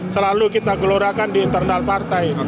selalu kita gelorakan di internal partai